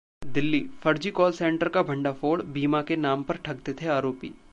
दिल्लीः फर्जी call centre का भंडाफोड़, बीमा के नाम पर ठगते थे आरोपी